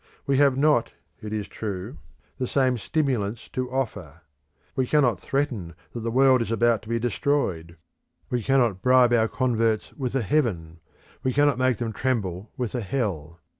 We have not, it is true, the same stimulants to offer. We cannot threaten that the world is about to be destroyed; we cannot bribe our converts with a heaven, we cannot make them tremble with a hell.